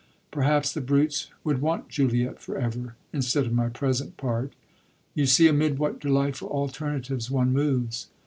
Perhaps the brutes would want Juliet for ever instead of my present part. You see amid what delightful alternatives one moves.